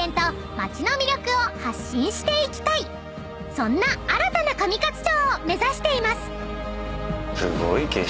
［そんな新たな上勝町を目指しています］